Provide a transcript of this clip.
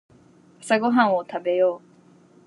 朝ごはんを食べよう。